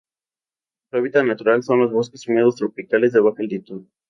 Su hábitat natural son los bosques húmedos tropicales de baja altitud.